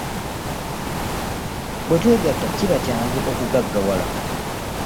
Bwe twegatta kiba kyangu okugaggawala.